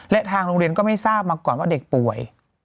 และทางโรงเรียนก็ไม่ทราบมาก่อนว่าเด็กป่วย